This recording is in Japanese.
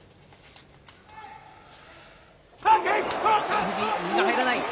熱海富士、右が入らない。